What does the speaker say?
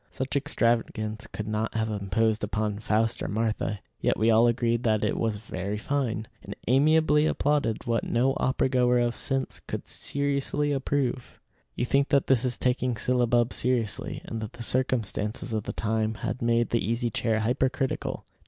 Such extravagance could not have imposed upon Faust or Martha; yet we all agreed that it was very fine, and amiably applauded what no opera goer of sense could seriously approve. You think that this is taking syllabub seriously, and that the circumstances of the time had made the Easy Chair hypercritical.